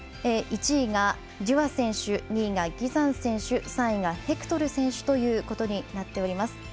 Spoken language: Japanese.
１位がデュアー選手２位がギザン選手３位がヘクトル選手ということになっております。